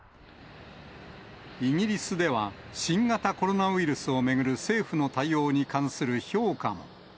イギリスでは、新型コロナウイルスを巡る政府の対応に関する評価も。